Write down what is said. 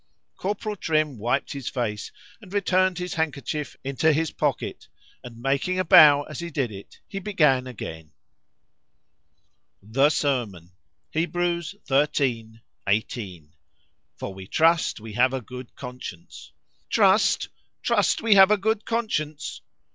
Corporal Trim wiped his face, and returned his handkerchief into his pocket, and, making a bow as he did it,—he began again.] The S E R M O N. HEBREWS xiii. 18. ——For we trust we have a good Conscience.— "TRUST! trust we have a good conscience!